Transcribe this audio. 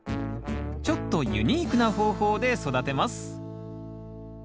ちょっとユニークな方法で育てます。